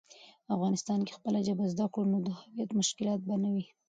افغانسان کی خپله ژبه زده کړه، نو د هویت مشکلات به نه وي.